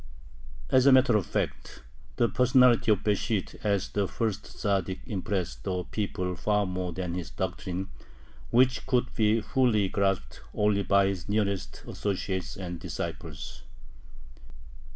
As a matter of fact, the personality of Besht as the first Tzaddik impressed the people far more than his doctrine, which could be fully grasped only by his nearest associates and disciples.